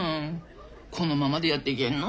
このままでやっていけんの？